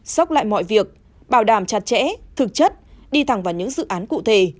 sốc lại mọi việc bảo đảm chặt chẽ thực chất đi thẳng vào những dự án cụ thể